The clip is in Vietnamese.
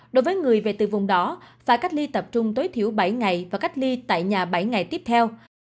đối với người về từ vùng đó phải cách ly tập trung tối thiểu bảy ngày và cách ly tại nhà bảy ngày tiếp theo